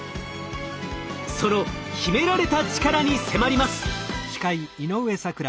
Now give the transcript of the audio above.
その秘められたチカラに迫ります。